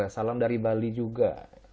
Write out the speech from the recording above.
salam dari bali juga